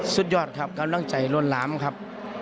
สุดยอดครับการดังใจรวดหลามครับ